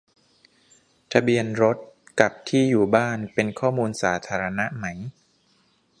ทะเบียนรถ กับ ที่อยู่บ้าน เป็น "ข้อมูลสาธารณะ" ไหม ?